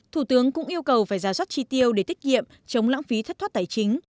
thủ tướng cũng yêu cầu phải giả soát tri tiêu để tích nhiệm chống lãng phí thất thoát tài chính